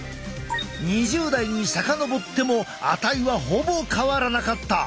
２０代に遡っても値はほぼ変わらなかった。